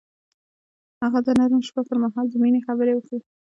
هغه د نرم شپه پر مهال د مینې خبرې وکړې.